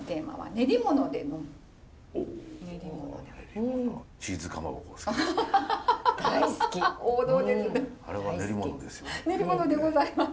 練り物でございます。